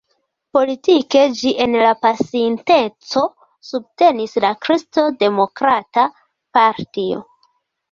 Politike ĝi en la pasinteco subtenis la Kristo-Demokrata partio.